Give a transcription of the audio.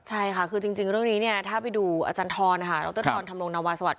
ใช่ค่ะคือจริงเรื่องนี้เนี่ยถ้าไปดูอาจารย์ธรณฑ์อาจารย์ธรณฑ์ธรรมลงนวาสวัสดิ์